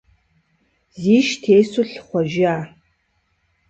Зиш тесу лъыхъуэжа.